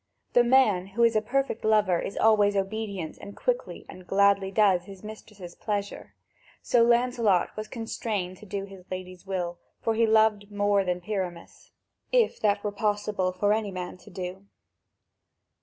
The man who is a perfect lover is always obedient and quickly and gladly does his mistress' pleasure. So Lancelot was constrained to do his Lady's will, for he loved more than Pyramus, if that were possible for any man to do.